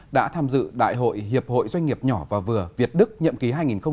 đã tham dự đại hội hiệp hội doanh nghiệp nhỏ và vừa việt đức nhậm ký hai nghìn một mươi chín hai nghìn hai mươi bốn